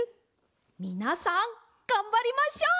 みなさんがんばりましょう！